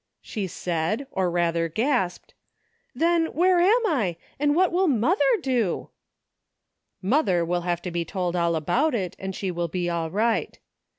she said, or rather gasped, " then where am 1, and what will mother do ?""* Mother ' will have to be told all about it, and she will be all right."